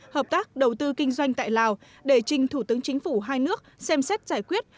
hợp tác đầu tư kinh doanh tại lào để trình thủ tướng chính phủ hai nước xem xét giải quyết